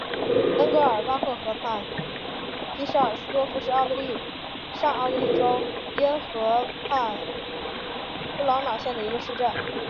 恩格尔巴赫河畔皮舍尔斯多夫是奥地利上奥地利州因河畔布劳瑙县的一个市镇。